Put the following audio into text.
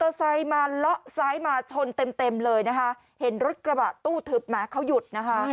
โอ้ไม่เอาคนเจ็บขึ้นก่อน